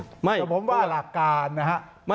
แต่ผมว่าหลักการนะฮะ